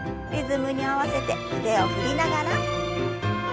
リズムに合わせて腕を振りながら。